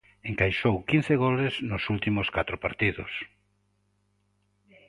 Encaixou quince goles nos últimos catro partidos.